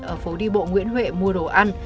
ở phố đi bộ nguyễn huệ mua đồ ăn